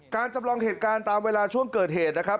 จำลองเหตุการณ์ตามเวลาช่วงเกิดเหตุนะครับ